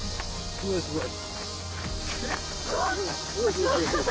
すごいすごい。